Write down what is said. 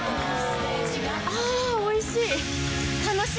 あぁおいしい！